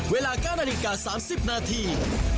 เวลา๙นาฬิกา๓๐นาที